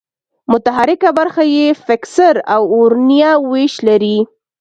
متحرکه برخه یې فکسر او ورنیه وېش لري.